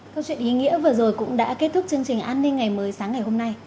câu chuyện ý nghĩa vừa rồi cũng đã kết thúc chương trình an ninh ngày mới sáng ngày hôm nay